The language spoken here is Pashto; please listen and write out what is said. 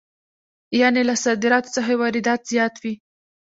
یانې له صادراتو څخه یې واردات زیات وي